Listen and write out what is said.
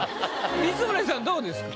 光宗さんどうですか？